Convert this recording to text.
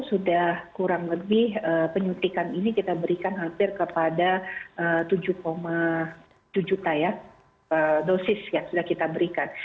sudah kurang lebih penyuntikan ini kita berikan hampir kepada tujuh tujuh juta ya dosis yang sudah kita berikan